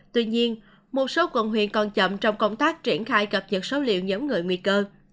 tuy nhiên một số quận huyện còn chậm trong công tác triển khai cập nhật số liệu giống người nguy cơ